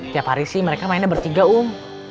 tiap hari sih mereka mainnya bertiga um